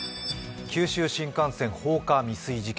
九州新幹線放火未遂事件。